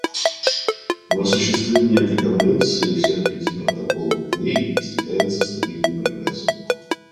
В осуществлении этой Конвенции и всех пяти протоколов к ней достигается стабильный прогресс.